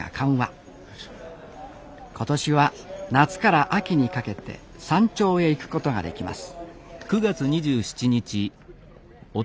今年は夏から秋にかけて山頂へ行くことができます